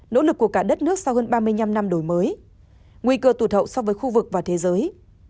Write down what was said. nỗ lực của cả đất nước sau hơn ba mươi năm năm đổi mới nguy cơ tụt hậu so với khu vực và thế giới